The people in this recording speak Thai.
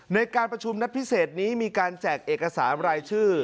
ในการประชุมนัดพิเศษนี้มีการแจกเอกสารรายชื่อ